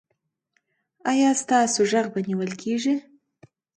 ایا ستاسو غږ به نیول کیږي؟